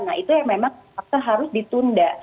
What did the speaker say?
nah itu yang memang harus ditunda